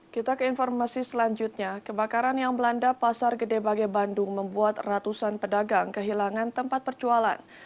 kita ke informasi selanjutnya kebakaran yang melanda pasar gede bage bandung membuat ratusan pedagang kehilangan tempat perjualan